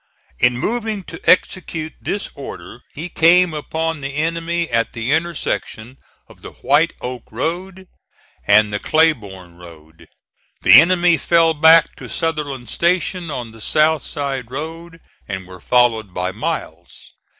In moving to execute this order he came upon the enemy at the intersection of the White Oak Road and the Claiborne Road. The enemy fell back to Sutherland Station on the South Side Road and were followed by Miles.